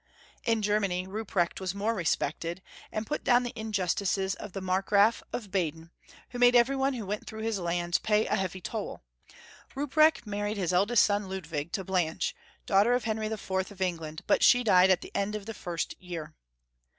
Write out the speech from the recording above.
In Germany Ruprecht was more respected, and 233 284 Young Folks'^ History of Germany. put down the injustice of the Markgraf of Baden, who made every one who went through his lands pay a heavy toll. Ruprecht married his eldest son, Ludwig, to Blanche, daughter of Henry IV. of England, but she died at the end of the first year.